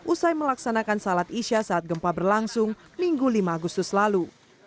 usai melaksanakan salat isya saat gempa berlangsung minggu lima agustus lalu